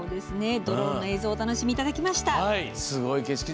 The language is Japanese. ドローンの映像をお楽しみいただきました。